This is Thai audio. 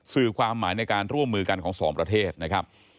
สื่อความหมายในการร่วมมือกันของสองประเทศนะครับ